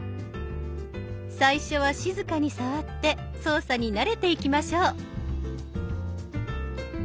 最初は静かに触って操作に慣れていきましょう。